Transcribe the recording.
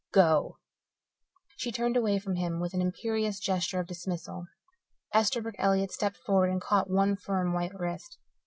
Go!" She turned away from him with an imperious gesture of dismissal. Esterbrook Elliott stepped forward and caught one firm, white wrist.